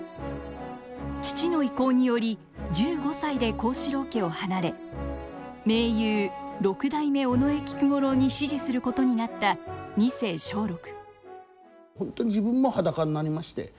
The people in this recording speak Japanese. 父の意向により１５歳で幸四郎家を離れ名優六代目尾上菊五郎に師事することになった二世松緑。